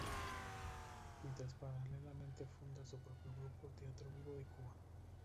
Mientras paralelamente funda su propio grupo Teatro Vivo de Cuba.